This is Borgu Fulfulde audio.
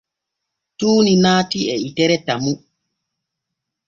Tuuni naatii e itere Tamu.